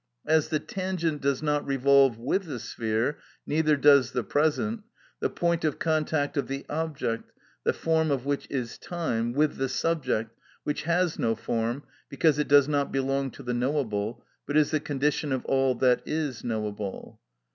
As the tangent does not revolve with the sphere, neither does the present, the point of contact of the object, the form of which is time, with the subject, which has no form, because it does not belong to the knowable, but is the condition of all that is knowable.